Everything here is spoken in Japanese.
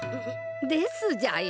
ですじゃよ？